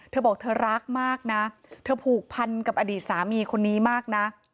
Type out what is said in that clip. เธอบอกเธอรักมากนะเธอผูกพันกับอดีตสามีคนนี้มากนะ